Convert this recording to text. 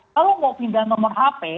kalau mau pindah nomor hp